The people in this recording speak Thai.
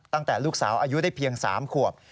ตั้งแต่ลูกสาวอายุได้เพียง๓ขวบ